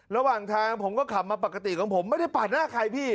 ระหว่างทางผมก็ขับมาปกติของผมไม่ได้ปาดหน้าใครพี่